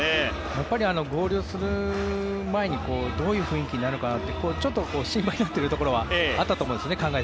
やっぱり合流する前にどんな雰囲気なのかちょっと心配になってるところはあったと思うんですね。